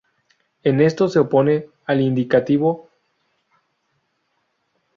En esto se opone al indicativo.